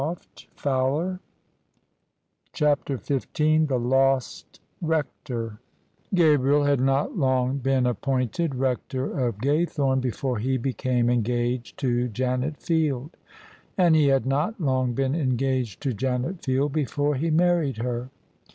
[ 200 ] CHAPTER XV THE LOST RECTOR Gabriel had not long been appointed Rector of Gaythome before he became engaged to Janet Field; and he had not long been engaged to Janet Field before he married her.